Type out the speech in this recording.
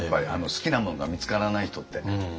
好きなものが見つからない人って。